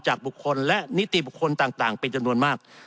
บุคคลและนิติบุคคลต่างเป็นจำนวนมาก